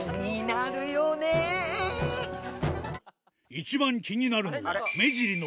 一番気になるのは目尻の